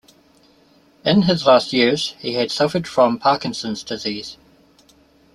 In his last years he had suffered from Parkinson's disease.